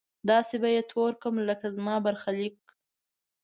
داسې به يې تور کړم لکه زما برخليک